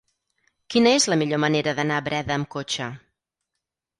Quina és la millor manera d'anar a Breda amb cotxe?